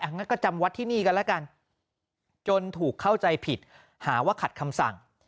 งั้นก็จำวัดที่นี่กันแล้วกันจนถูกเข้าใจผิดหาว่าขัดคำสั่ง